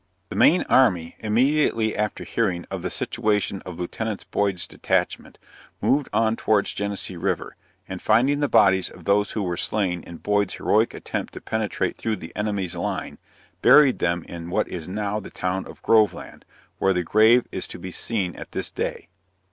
The main army, immediately after hearing of the situation of Lieut. Boyd's detachment, moved on towards Genesee river, and finding the bodies of those who were slain in Boyd's heroic attempt to penetrate through the enemy's line, buried them in what is now the town of Groveland, where the grave is to be seen at this day.